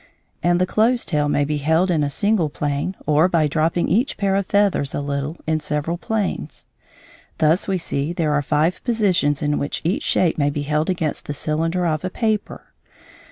And the closed tail may be held in a single plane; or, by dropping each pair of feathers a little, in several planes. Thus we see there are five positions in which each shape may be held against the cylinder of paper.